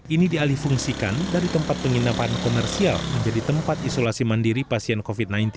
ini dialih fungsikan dari tempat penginapan komersial menjadi tempat isolasi mandiri pasien covid sembilan belas